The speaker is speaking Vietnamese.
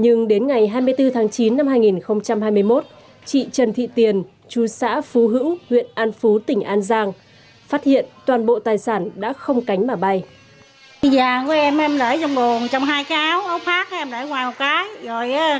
nhưng đến ngày hai mươi bốn tháng chín năm hai nghìn hai mươi một chị trần thị tiền chú xã phú hữu huyện an phú tỉnh an giang phát hiện toàn bộ tài sản đã không cánh mà bay